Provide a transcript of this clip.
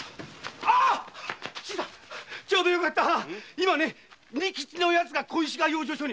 今仁吉の奴が小石川の養生所に。